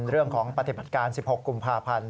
เรื่องของปฏิบัติการ๑๖กุมภาพันธ์